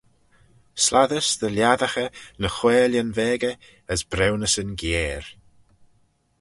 Slattys dy lhiassaghey ny whailyn veggey as briwnyssyn giare.